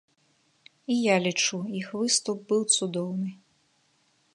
І я лічу, іх выступ быў цудоўны.